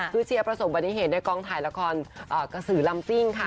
เห็นเสียประสบบันดิ์เหตุในกองถ่ายละครกะสือลำคิ้งค่ะ